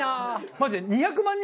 マジで。